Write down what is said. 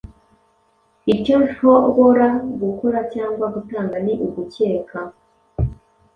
Icyo nhobora gukora cyangwa gutanga ni ugukeka